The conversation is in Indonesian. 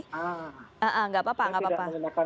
tidak tidak apa apa